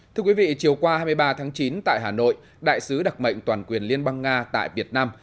thưa quý vị chiều qua hai mươi ba tháng chín tại hà nội đại sứ đặc mệnh toàn quyền liên bang nga tại việt nam